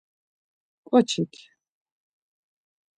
ǩoçik.